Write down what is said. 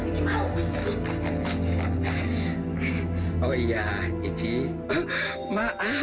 jangan bikin mak mau